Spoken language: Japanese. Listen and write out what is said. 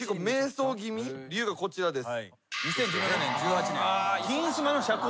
理由がこちらです。